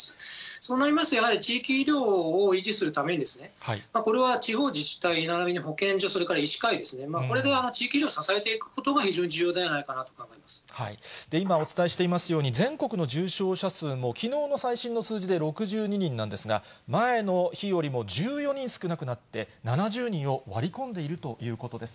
そうなりますと、やはり地域医療を維持するために、これは地方自治体ならびに保健所、それから医師会ですね、これで地域医療を支えていくというのが非常に重要ではないかなと今お伝えしていますように、全国の重症者数もきのうの最新の数字で６２人なんですが、前の日よりも１４人少なくなって、７０人を割り込んでいるということです。